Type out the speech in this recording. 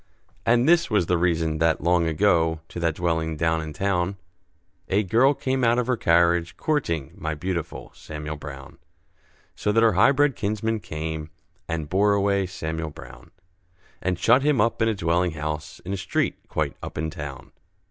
And this was the reason that, long ago, To that dwelling down in town, A girl came out of her carriage, courting My beautiful Samuel Brown; So that her high bred kinsmen came, And bore away Samuel Brown, And shut him up in a dwelling house, In a street quite up in town.